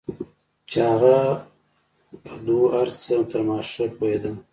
چې هغه په دو هرڅه تر ما ښه پوهېدو.